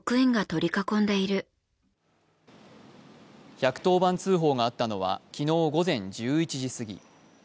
１１０番通報があったのは昨日午前１１時過ぎ。